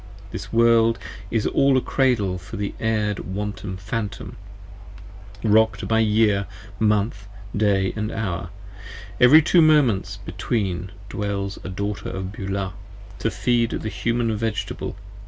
This World is all a Cradle for the erred wandering Phantom, Rock'd by Year, Month, Day & Hour; and every two Moments 10 Between, dwells a Daughter of Beulah, to feed the Human Vegetable.